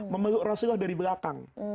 memeluk rasulullah dari belakang